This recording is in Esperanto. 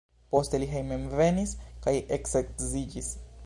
Poste li hejmenvenis kaj eksedziĝis.